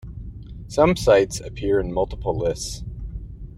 Some sites appear in multiple lists.